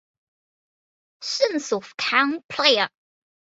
圣索弗康普里厄。